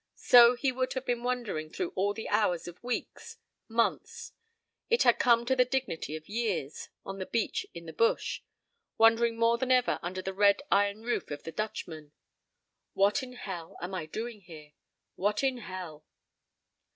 So he would have been wondering through all the hours of weeks, months—it had come to the dignity of years, on the beach, in the bush—wondering more than ever under the red iron roof of the Dutchman: "What in hell am I doing here? What in hell?"